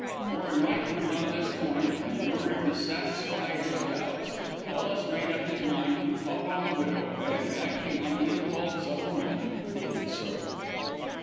For enlightenment on this point, and in order to satisfy his doubts, Ellis made up his mind to call on the widow, and, acting on the impulse of the moment, did so.